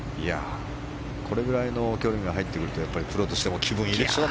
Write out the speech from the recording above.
これぐらいの距離が入ってくるとプロとしても気分がいいでしょう。